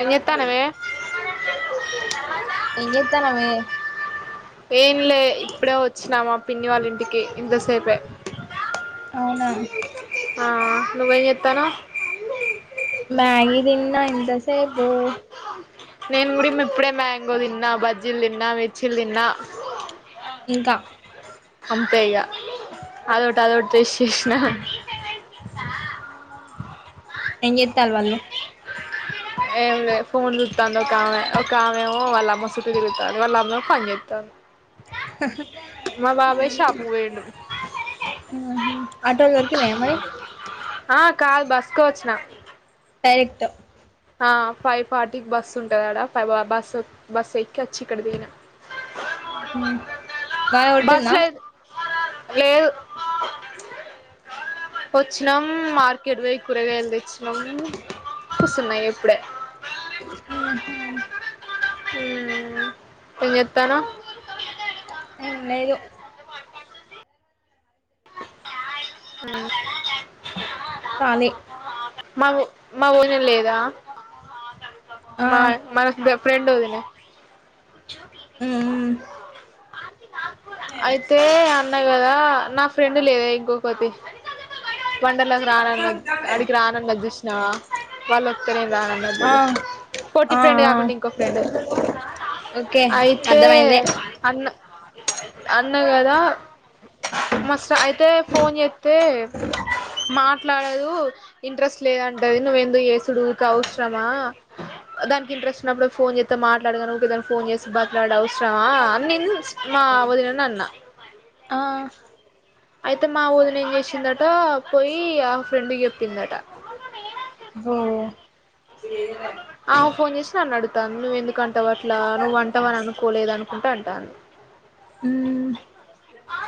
ఏం చేత్తానవే ఎంచేతానవే ఏం లే ఇప్పుడే వచ్చినా మా పిన్ని వాళ్ళ ఇంటికి ఇంతసేపే అవునా ఆఁ నువ్వేం చేతానావ్ మ్యాగి తిన్నా ఇంత సేపు నేనుగూడా ఇప్పుడే మ్యాంగో తిన్నా బజ్జిలు తిన్నా మిర్చీలు తిన్నా ఇంకా అంతే ఇగ అదోటి అదొటి చేసేషినా ఎం చేత్తారు వాళ్ళు ఏమిలేదు ఫోన్ చూత్తాంది ఒక ఆమె ఒక ఆమెఏమో వాళ్ళ అమ్మ చుట్టూ తిరుగుతాంది వాళ్ళ అమ్మే ఏమో పని చెత్తాంది హ షాపుకు పోయిండు హ ఉహు ఆటో దొరికినయా మరి ఆ కాదు బస్కే వచ్చిన డైరెక్ట్ ఆ ఫై ఫాట్టికి బస్సు ఉంటదాడ ఫైవ బస్ బస్సు ఎక్కిఅచ్చి ఇక్కడ దిగిన ఉ బస్ లేద్ లేదు ఒచ్చినమ్ మార్కెట్కివోయ్ కూరగాయల్ దెచ్చినం మ సున్నాయి ఇప్పుడే ఉహు ఊ ఎన్ జేత్తన్నావ్ ఏంలేదు ఉ కానీ మ వో మా వోదెన్ లేదా ఆ మా మగ ఫ్రెండ్ ఒదిన ఉహు అయితే అన్నగదా నా ఫ్రెండ్ లేదా ఇంకొకతి వండలాక్ రానాన్నది ఆడిక్ రానన్నది జూష్నవా వాళ్ళోతే నేన్ రానన్నది ఆ జుడు పోట్టి ఆ ఆ ఫ్రెండ్ కాకుండా ఇంకొ ఫ్రెండ్ ఓకే అయితే అర్థమైంది అన్న అన్నాగాదా మస్ అయి తే ఫోన్ జేతే మాట్లాడదూ ఇంట్రెస్ట్ లేదంటది నువ్వెందుకు ఏసూడు ఊక అవ్సరమా దాన్కి ఇంట్రెస్ట్ ఉన్నప్పుడే ఫోన్ జేతే మాట్లాడు గని ఊకేదాన్ ఫోన్ జెస్ బాత్లాడు అవ్సరమా అన్ నేన్ ఆ అయితే మా ఒదిన ఎన్ జేషిందిఅటా పోయి ఆవే ఫ్రెండుక్ జే ఓ ఆవ ఫోన్ జేషి నన్ను అడుతంది నువ్వు ఎందుకంటవ్ అట్లా నువ్వు అంటావని అనుకోలేదుఅని అంట అంటంది ఊ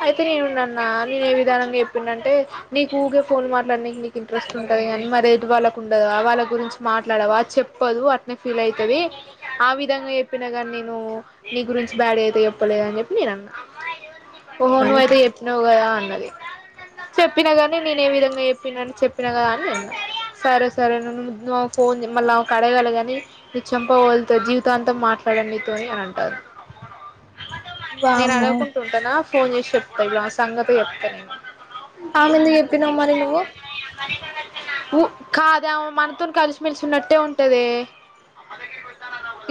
అయితే నేనున్నాన్న నేను ఏ విధానంగా ఎప్పిన్నటే. నీకుఊకే ఫోన్ మాట్లానికి నీకు ఇంట్రెస్ట్ ఉంటది అని మరి ఎదుట్ వాళ్ళక్ ఉండదా వాళ్ళ గురించి మాట్లాడవా చెప్పదు అట్నే ఫీల్ అయితది ఆ విధంగా ఎప్పినా గన్ నేనూ నీ గురించి బ్యాడ్ గా అయితే చెప్పలేదని జేప్పి నేన్అన్నా అవును ఓహో నువ్వు మరి అయితే ఎప్పినవ్ వ్ గాదా అన్నది చెప్పినా గానీ నేన్ ఏవిధంగా ఎప్పిన అని చెప్పినా గదా నేన్ అన్న సరే సరే ఫోన్ జే మల్ల ఆవక్ అడగలగని నీ చెంపవల్తద్ జీవితాంతం మాట్లాడన్ నీతోని అని అంటంది నేను వామ్మో అడగకుంట ఉంటానా ఫోన్ జేసి చెప్తా జుడు ఆవె సంగతె ఎప్తా నేను ఆమెందు ఎప్పినవ్ మరే నువ్వు ఉ కాదే ఆవే మనతోనీ కల్సి మెల్షి ఉన్నట్టే ఉంటదే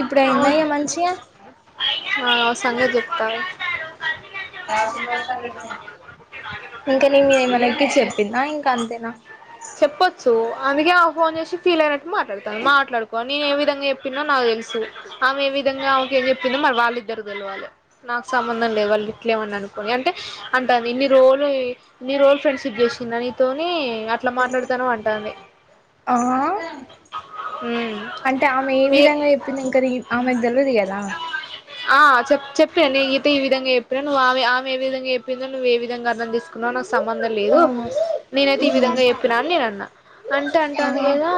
ఇప్పుడు అయిందా ఆమె ఇగ మంచిగా ఆ సంగతి చెప్తా ఇంకా నీ మీద ఏమన్న ఎక్కించి చెప్పిందా ఇంకా అంతేనా చెప్పొచ్చు అందుకే ఆవ ఫోన్జేసి ఫీల్ అయినట్ మాట్లాడ్తంది మాట్లాడుకో నేను ఏ విధంగా ఎప్పినో నాక్ తెల్సు ఆమె ఏ విధంగా ఓకే చెప్పిందో మరి వాళ్ళ ఇద్దరు తెలవాలి నాకు సంబంధం లేదు వాళ్ళు ఇంట్లోమన్నా అనుకోని అంటే అంటా వే ఎన్ని రో లనీ రోల్ ఫ్రెండ్స్ చేసిందని తోని అట్లా మాట్లాడతాన్న వ్ అంటాంది ఆ అంటే ఆమె ఏ మీ విధంగా చెప్పింది ఇంకా ఆమెకు తెలియదు గదా ఆ చెప్పుచె పే నేనైతేఈ విధంగా చెప్య నువ్ ఆ ఆమైతే ఏ విధంగా చెప్పిందో నువ్వు ఏ విధంగా అర్ధం జేసుకొ అన్ననాకు సంబంధం లేదు అవును నేనైతే ఈ మ్మ్ విధంగా చెప్పినా అని నేను అన్నా అంటే ఆ అంటాంది గదా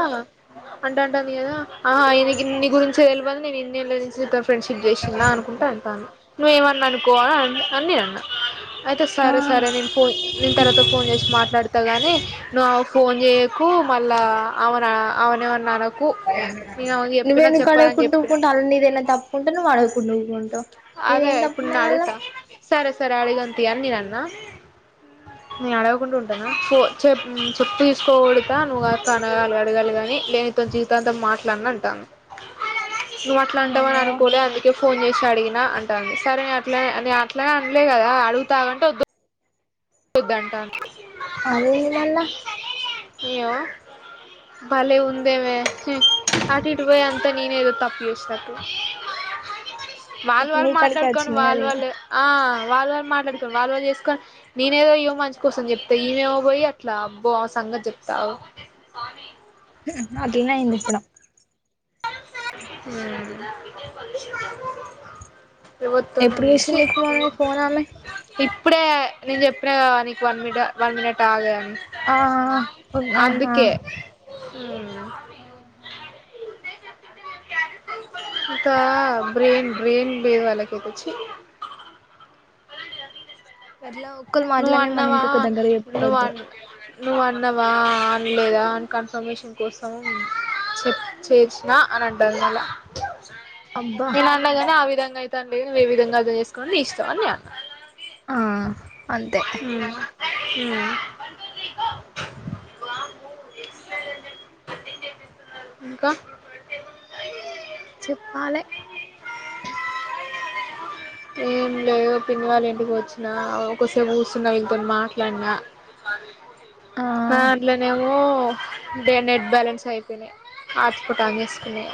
అంట అంటాంది. గదా ఆ ఆయన గీనీ గురించే తెలవాలి నేను ఇన్నెండ్ల నుంచి ఫ్రెండ్షిప్ చేసిందా అనుకుంటఅంటాను నువ్వేమన్నా అనుకో అని అన్నా అయితే ఆ సరే సరే నేన్‌ పోయి నేన్ తర్వాతఫోన్ చేసి మాట్లాడు అత్తగాని నువ్వు ఫోన్ చేయకు మళ్ళా అవున అ నువ్వే ఎందుకు అడగకుంట చెప్పినా ఊకుంటా వ్ అలానిదే దైనా తప్పు ఉంటేనువ్వు అడగకుంట ఊకుంటా వ్ అదే అయిప్ న్నాడు. తా సరే సరే అడి గంత నీయన్న నేను అడగకుంటూ ఉంటానా తొ చెప్ చెప్పు తీసుకో గోడత నువ్వు అట్లా అడగాల అడగాలగాని లేక జీవితాంతం మాట్లాన్ను అని అంటాను. నువ్వు అట్లా అంటా వ్ అవ్వ అను అనుకోలే అందుకి ఫోన్ చేసి అడిగినా అంటాందిసరే అట్లే అనిఅట్లా అండ్లే గదా అడుగుతానంటే వద్దు కుద్దంట అదేంది మల్ళ ఏయ్యో భలే ఉందే వే అటు ఇటు పోయిఅంతా నేనే ఏదో తప్పు చేసినట్టు వాళ్ళు ఇప్పుడు నీ వాళ్ళు కాడికే మాట్లాడుకొని వచ్చింది వాళ్ళ కదా ఇగ వాళ్ళు ఆ వాళ్ళువాళ్ళు మాట్లాడు కోని వాళ్ళ వాళ్ళు చేసుకొని నేనే ఏదో యొమంచి కోసం చెప్తే ఏమో మొపోయి అట్లా అబ్బో సంగతి చెప్పావ్ అట్లనే అయింది ఇప్పుడు అ [inaudible] ప్రభుత్వం ఎప్పుడు నుంచి చేసింది నీకు మరి ఫోన్ ఆమె ఇప్పుడే నేను చెప్పినా గానీకు వన్ మినిట్ వన్ మినిట్ ఆ గ్అని ఆ ఆహా చూద్దాం హ ఆహా అంత బ్రెయిన్ బ్రెయిన్ బేద వాళ్ళ కోకిచ్చి సరల ఉక్కులు నువ్వు మాట్లంన్ని మన అన్నవా ఇంకొక దగ్గర నువ్వు చెప్పద్దు అన్ నువ్వు అన్నావా అడ్లేదా అని కన్ఫర్మేషన్ కోసము చె చేచ్చి నా అన అంటా ది మల్లా అబ్బా అలగని ఆ విధంగా అయి తాంటే నువ్వే విధంగా చేసుకొని నీఇష్టం అని చెప్పా ఆ అంతే అ [inaudible] స్తున్నారు ఇంకా ఉా [inaudible] చెప్పా లే ఏం లేదు పిన్ని వాళ్ళ ఇంటికి వచ్చినా అవ్ కొంచెసేపు కూసున్నా వ్ ఇక్కడమాట్లా న్యా ఆ ఆట్లనే లే ఊఅంటే నెట్ బ్యాలెన్స్ అయిపోయినాయి ఆస్కుటాగేసుకునే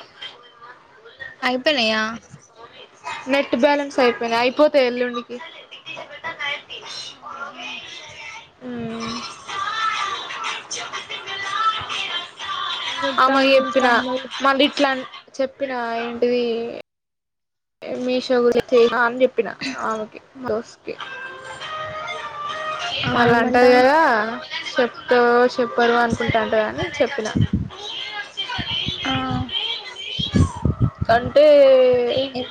అయిపోయినయా నెట్ బ్యాలెన్స్ అయిపోయినాయి అయిపోతాయి ఎల్లుండికి వికుయి ఇ ఆహా ఉ ఏం అమెకు చెప్తాండు మీ చెప్పిన తమ్ముడు మళ్ళీ ఇట్లా చెప్పిన ఏంటిది ఎ మీషో గురించి చేా అని చెప్పిన ఆమెకి ఆ [unintelligible] మళ్ళా అంటది ఏమంటాండు కదా చె థో చెప్పరో అనుకుంటాంట అని చెప్పినా ఆ అంటే ఏం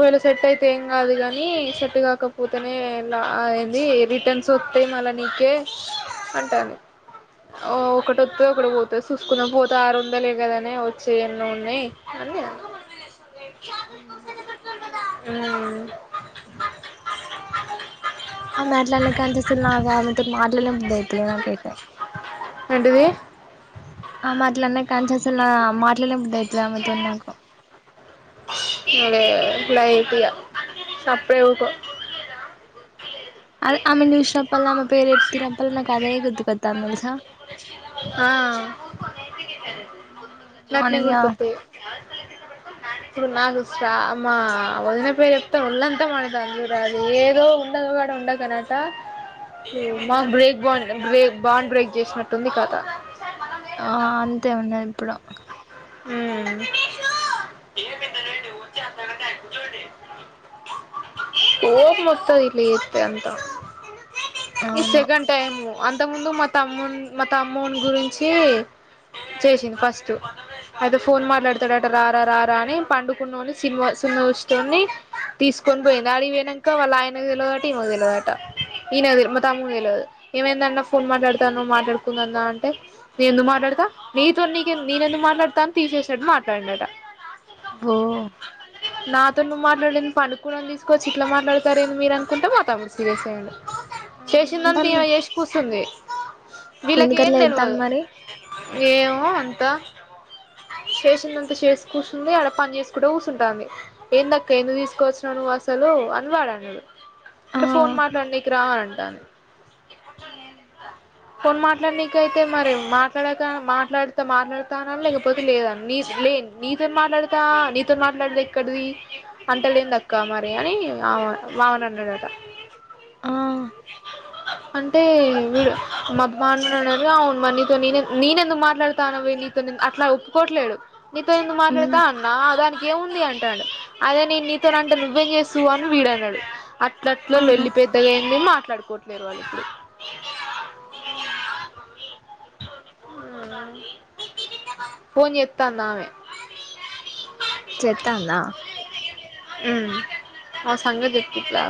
ఒకవేళ సెట్ అయితే ఏం కాదు కానీ సెట్ కాకపోతేనే ఇట్లా అయింది రిటర్న్ సొత్త్త మళ్ళ నీకే అంటాది ఓ ఒకటి అత్తది ఒకటి పొత్తది చూసుకున్నా పోతే ఆరు వందలు ఏ కదానే వచ్చే ఎన్నో ఉన్నాయి అని నేను అన్న ఉ ఉ ఆమె అట్లా అన్న కాన్నుంచి అసలు నాకు ఆమెతో మాట్లాడినే బుద్ధి అయితలేదు నాకైతే ఏంటిది ఆమె అట్లా అన్న కాన్నుంచి అసల్ నా మాట్లాడానే బుద్ధి అయితలేదు ఆమెతో నాకు అదేగాదా లైట్ గా సప్పుడేకా ఊకో అది ఆమె చూసినప్పుడల్లా ఆమె పేరు ఎత్తినప్పుడల్లా నాకు అదే గుర్తుకతంది తెలుసా ఆ కానీ గట్లనే ఇగ గుర్తత్తది ఇప్పుడు నాకు సా మా వదినా పేరు చెప్తే ఒళ్ళంతా మండుతాది [unintelligible] ఏదో ఉండగాడ ఉండ ఇంకనట అవును మాక్ బ్రేక్ బాం బ్రేక్ బాండ్ బ్రేక్ చేసినట్టుంది కథ ఆ అంతే ఉన్నది ఇప్పుడు ఉమ్ ఏేమిందా ఏంటిడి ఉుచ్చి అంతా కంటయకు చుోండి ఏం మొత్త ఇట్ల చెత్తే అంత ఈ అవును సెగం టైము అంత ముందు మా తమ్మున్ తమ్ముని గురించి చేసింది ఫస్ట్ అయినా ఫోన్ మాట్లాడతాడట రారా రారా అని పండుకున్నోన్ని సిమా సినిమా చూసేటోన్ని తీసుకొని పోయింది అడికిపోయినంక వాళ్ళు ఆయనకు తెలివదట ఈమకు తెలివదట ఈయనది మా తమ్మునికి తెలివదు ఏమేందన్నా ఫోన్ మాట్లాడతాన్నావ్ మాట్లాడుకుందన్నా అంటే నే ఎందుకు మాట్లాడతా నీతో నీక నేన ఎందు మాట్లాడతా అని తీసేసినట్టు మాట్లాడిడట బో నాతో నువ్వు మాట్లాడుడేంది పండుకునోనీ తీసుకోచ్చ ఇలా మాట్లాతారు ఏంది మీరు అకుంట మా తమ్ముడు సీరియస్ అయ్యండు ఆ చేసిందంత ఏమంటాంది ఈమె మరి చేసి కూస్తుంది వీళ్ళకి ఏం ఎందుకట్లా చెత్తాంది తెల్వదు మరి ఏమో అంత చేసిినంత చేసి కూర్చుంది అక్కడ పని చేసుకుంట కూర్చుంటది ఏం దక్క ఎందుకు తీసుకోచ్చినావ్ నువ్వు అసలు అని వాడన్నడు ఆ అంటే ఫోన్ మాట్లాండికిరా అంటాది ఫోన్ మాట్ ఇట్లా నీకైతే మరి మాట్లాడద మాట్లాడ్ మాట్లాడతాన లేకపోతే లేదని నీ లే నీతో మాట్లాడతా నీతో మాట్లాడతే ఇక్కడిది అంటల్ దేన్దక్క మరి అని ఆ బావని అన్నాడట ఆ అంటే వీడు మా బావన్ అన్నారు అవును మరి నీతో నే నేనెందుకు మాట్లాడుత తను వెళ్లి నీతో అట్లా ఒప్పుకోట్లేడు నీతో ఎందుకు హ్మ్ మాట్లాడతా అన్నా దానికి ఏముంది అంటాడు అదే నేను నీతోన అంటే నువ్వేం చేస్తూ అని వీడన్నాడు అట్లట్లే అవును లోల్లి పెద్దగాయింది మాట్లాడుకోవట్లేరు వాళ్ళు ఇప్పుడు రియా పోన్ జేత్తా ఉంది ఆమె చెతాన్దా ఆ సంగదిట్లా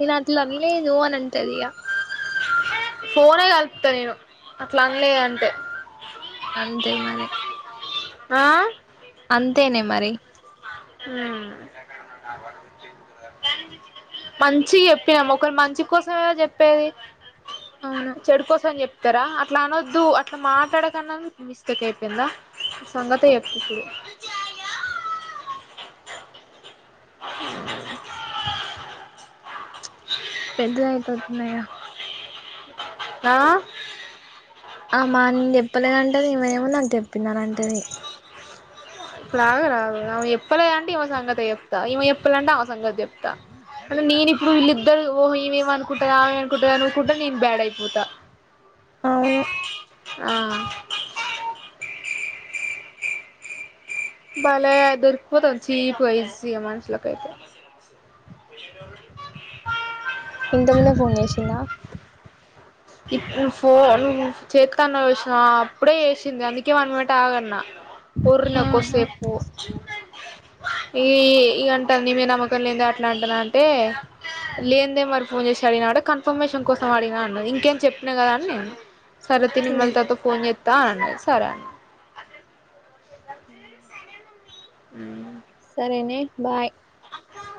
నేను అట్ల లేదు అని అంటదిగా ఫోనే కలుపుతా నేను అట్లా అనలే అంటే అంతే మరి ఆ అంతేనే మరి హుమ్ మంచిగ చెప్పినా ఒకరు మంచి కోసంమే గ చెప్పేది అవును చెడు కోసం చెప్తారా అట్లా అనొద్దు అట్లా మాట్లాడకన్నా మిస్టేక్ అయిపోయిందా [unintelligible] హు పెద్దది అయిపోతుందిగా ఆ ఆమ్ అన్ చెప్పలేదంటీ ఏమేమైనా నాకు చెప్పిననంటేది లాగు రాదు అమె ఎప్పలేదంటే ఇవమ సంగతి చెప్తా ఇమ్ ఎప్పలంటే ఆమె సంగతి చెప్తా అ నేని ఇప్పుడు వీళ్లిదరు ఓ ఇవేమ అనుకుంటా ఆమెమనుకుంటు అను్కుంట నే బడ్ అయిపోత అవును ఆ బాలే దొర్కిపోతాం చీప్ [unintelligible] మానసులకైతే ఇంతకు ముందే ఫోన్ చేసిందా నువ్ ఫోన్ నువ్ చేతన్ సూసిన్నావా అప్పుడే వేసింది అందుకే వన్ మినిట్ ఆగానా ఉర్నే ఆహా కొద్సేపు ఈ హ్మ్ [unintelligible] అక్క లేద అట్లా అంటునా అంటే లేనిదే మరి ఫోన్ చేసి అడిగినడు కన్ఫర్మేషన్ కోసం అడిగిన అన్నది ఇంకా ఇంకేం చెప్పినా కదా అని సరే తిన్ని మళ్ళీ తర్వాత ఫోన్ చేస్తా అన్నది సరే అన్నా అ హ్మ్ సరేనే బాయ్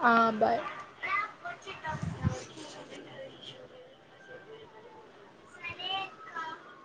ఆ బాయ్